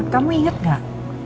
kamu inget gak